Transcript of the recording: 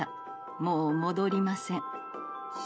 もう戻りません」。